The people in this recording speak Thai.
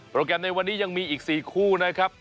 แกรมในวันนี้ยังมีอีก๔คู่นะครับ